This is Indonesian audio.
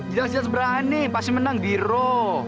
jelas jelas berani pasti menang biro